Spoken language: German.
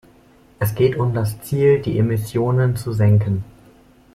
Es geht um das Ziel, die Emissionen zu senken.